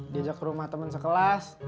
diajak ke rumah teman sekelas